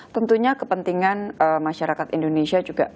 tentunya kepentingan masyarakat indonesia juga